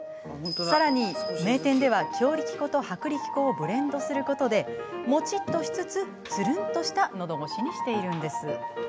さらに名店では強力粉と薄力粉をブレンドすることでもちっとしつつ、つるんとしたのどごしにしているんです。